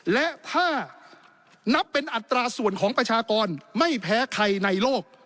และถ้านับเป็นอัตราส่วนของประชากรไม่แพ้ใครในโลก